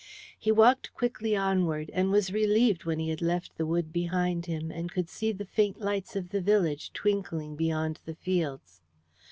He walked quickly onward, and was relieved when he had left the wood behind him, and could see the faint lights of the village twinkling beyond the fields.